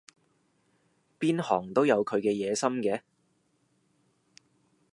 邊行都有佢嘅野心嘅